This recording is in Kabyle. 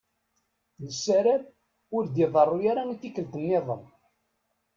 Nessaram ur d-iḍeṛṛu ara i tikkelt-nniḍen.